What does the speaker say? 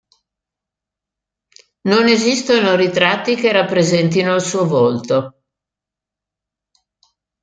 Non esistono ritratti che rappresentino il suo volto.